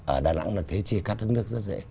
ở đà nẵng là thế chia cắt đất nước rất dễ